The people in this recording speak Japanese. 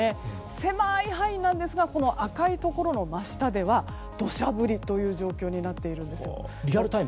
狭い範囲なんですが赤いところの真下では土砂降りという状況になっているんです。